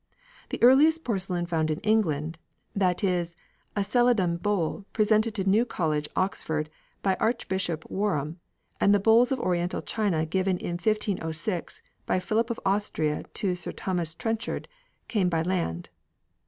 The earliest porcelain found in England that is, a Celadon bowl presented to New College, Oxford, by Archbishop Warham, and the bowls of Oriental china given in 1506 by Philip of Austria to Sir Thomas Trenchard came by land.